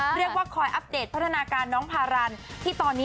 เรียกว่าคอยอัพเดทพัฒนาการน้องภรรณ